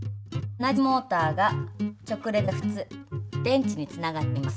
同じモータが直列で２つ電池につながっています。